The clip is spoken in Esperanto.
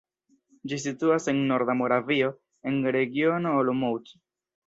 Ĝi situas en norda Moravio, en Regiono Olomouc.